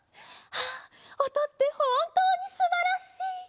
あおとってほんとうにすばらしい！